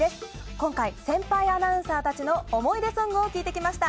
今回、先輩アナウンサーたちの思い出ソングを聞いてきました。